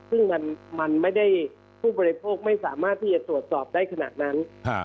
ซึ่งมันไม่ได้ผู้บริโภคไม่สามารถที่จะตรวจสอบได้ขนาดนั้น